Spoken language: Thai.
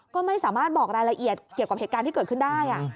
ก็ไม่สามารถบอกรายละเอียดเกี่ยวกับเหตุการณ์ที่เกิดขึ้นได้